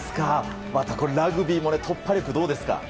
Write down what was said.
ラグビーも突破力どうですか？